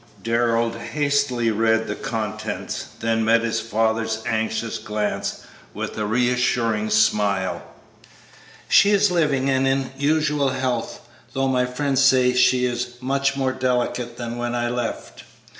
Darrell hastily read the contents, then met his father's anxious glance with a reassuring smile. "She is living and in usual health, though my friend says she is much more delicate than when I left."